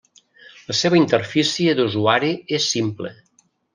La seva interfície d'usuari és simple.